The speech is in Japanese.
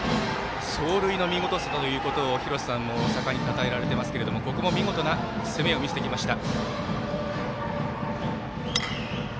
走塁の見事さということを廣瀬さんも盛んにたたえられていますがここも見事な攻めを見せてきました。